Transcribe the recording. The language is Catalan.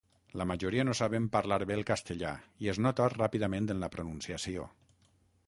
La majoria no saben parlar bé el castellà, i es nota ràpidament en la pronunciació.